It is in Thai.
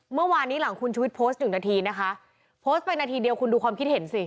เมื่อวานนี้หลังคุณชุวิตโพสต์หนึ่งนาทีนะคะโพสต์ไปนาทีเดียวคุณดูความคิดเห็นสิ